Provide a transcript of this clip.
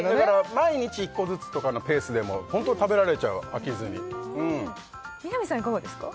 毎日１個ずつとかのペースでもホント食べられちゃう飽きずに南さんいかがですか？